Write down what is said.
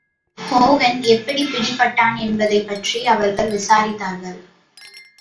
Hogan எப்படிப் பிடிப்பட்டான் என்பதைப் பற்றி அவர்கள் விசாரித்தார்கள்.